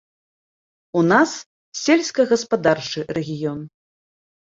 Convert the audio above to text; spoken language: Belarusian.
У нас сельскагаспадарчы рэгіён.